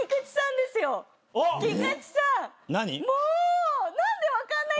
菊池さんもう！